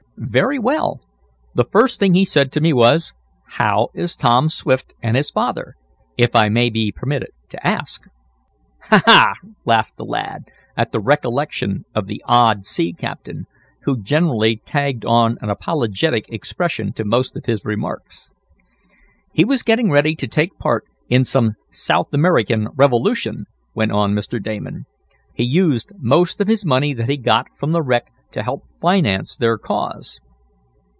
"Very well. The first thing he said to me was: 'How is Tom Swift and his father, if I may be permitted to ask?'" "Ha! Ha!" laughed the lad, at the recollection of the odd sea captain, who generally tagged on an apologetic expression to most of his remarks. "He was getting ready to take part in some South American revolution," went on Mr. Damon. "He used most of his money that he got from the wreck to help finance their cause."